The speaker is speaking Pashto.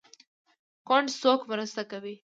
کونډه څوک مرسته کوي؟